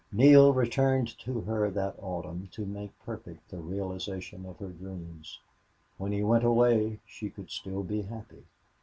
Neale returned to her that autumn to make perfect the realization of her dreams. When he went away she could still be happy.